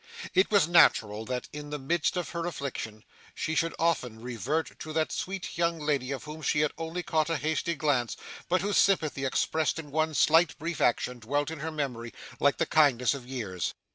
It was natural that, in the midst of her affliction, she should often revert to that sweet young lady of whom she had only caught a hasty glance, but whose sympathy, expressed in one slight brief action, dwelt in her memory like the kindnesses of years.